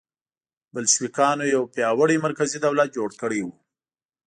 بلشویکانو یو پیاوړی مرکزي دولت جوړ کړی و